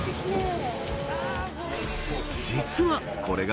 実はこれが